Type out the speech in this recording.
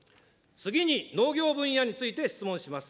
次に農業分野について質問します。